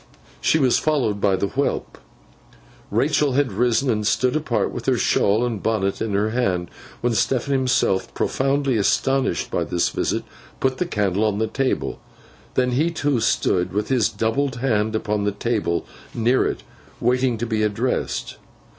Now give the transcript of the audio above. She was followed by the whelp. Rachael had risen, and stood apart with her shawl and bonnet in her hand, when Stephen, himself profoundly astonished by this visit, put the candle on the table. Then he too stood, with his doubled hand upon the table near it, waiting to be addressed.